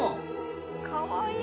かわいい。